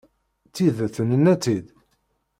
Tidet, nenna-tt-id.